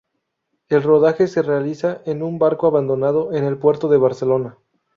El rodaje se realiza en un barco abandonado en el puerto de Barcelona.